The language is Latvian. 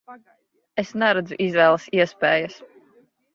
Es neredzu izvēles iespējas.